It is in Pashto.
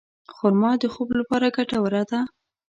خرما د خوب لپاره ګټوره ده.